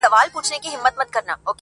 o دې يوه لمن ښكلا په غېږ كي ايښې ده.